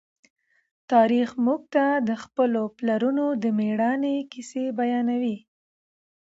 تاریخ موږ ته د خپلو پلرونو د مېړانې کیسې بیانوي.